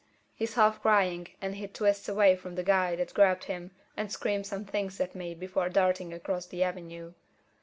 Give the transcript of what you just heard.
He's half crying, and he twists away from the guy that grabbed him and screams some things at me before darting across the avenue.